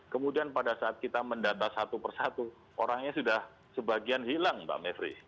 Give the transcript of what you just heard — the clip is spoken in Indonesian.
kemudian pada saat kita mendata satu persatu orangnya sudah sebagian hilang mbak mepri